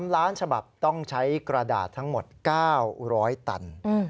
ล้านฉบับต้องใช้กระดาษทั้งหมด๙๐๐ตัน